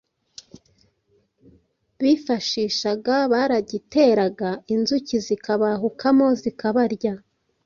bifashishaga, baragiteraga inzuki zikabahukamo zikabarya